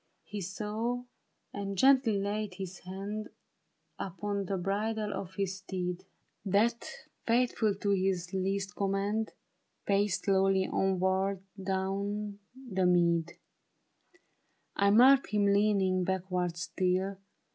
He saw, and gently laid his hand Upon the bridle of his steed. THE BARRICADE. That, faithful to his least command, Paced slowly onward down the mead. I marked him leaning backward still.